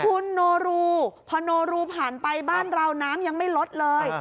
คุณโนรูพอโนรูผ่านไปบ้านเราน้ำยังไม่ลดเลย